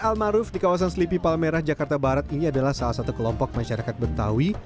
almaruf di kawasan sleepy palmerah jakarta barat ini adalah salah satu kelompok masyarakat betawi